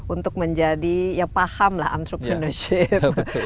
untuk menjadi ya paham lah entrepreneurship